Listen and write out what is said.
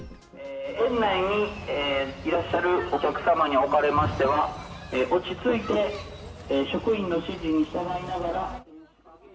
園内にいらっしゃるお客様におかれましては、落ち着いて、職員の指示に従いながら。